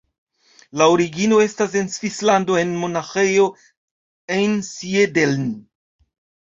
La origino estas en Svislando, en Monaĥejo Einsiedeln.